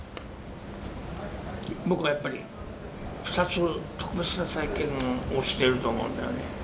僕はやっぱり２つ特別な体験をしてると思うんだよね。